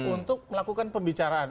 untuk melakukan pembicaraan